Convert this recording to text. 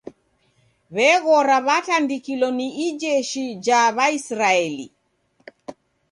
W'eghora w'atandikilo ni ijeshi ja w'aisraeli